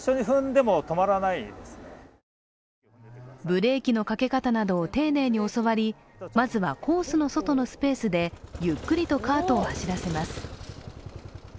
ブレーキのかけ方などを丁寧に教わりまずはコースの外のスペースでゆっくりとカートを走らせます。